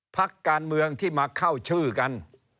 พักการเมืองที่มาเข้าชื่อกัน